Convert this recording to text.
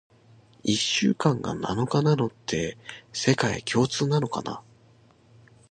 一週間が七日なのって、世界共通なのかな？